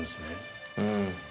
うん。